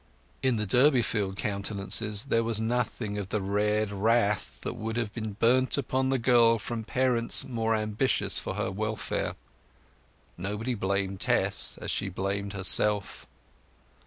In the Durbeyfield countenances there was nothing of the red wrath that would have burnt upon the girl from parents more ambitious for her welfare. Nobody blamed Tess as she blamed herself.